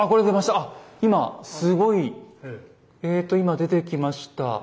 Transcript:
あっ今すごいえと今出てきました。